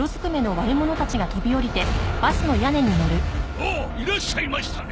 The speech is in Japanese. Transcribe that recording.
おおいらっしゃいましたね。